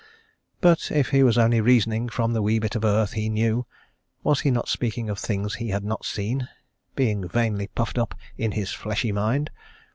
But if he was only reasoning from the wee bit of earth he knew, was he not speaking of things he had not seen, being vainly puffed up in his fleshly mind?